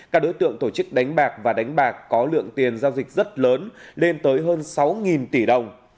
các đối tượng tổ chức đánh bạc và đánh bạc có lượng tiền giao dịch rất lớn lên tới hơn sáu tỷ đồng